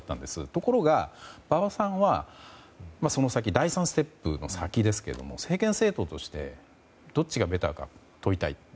ところが、馬場さんはその先、第３ステップの先ですが政権政党としてどっちがベターか問いたい。